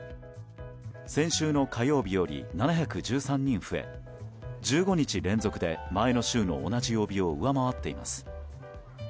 先週の火曜日より７１３人増え１５日連続で前の週の同じ曜日を上回っています。